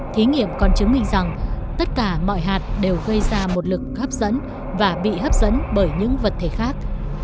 thí nghiệm còn chứng minh rằng tất cả mọi hạt đều gây ra một lực hấp dẫn và bị hấp dẫn bởi những vật thể khác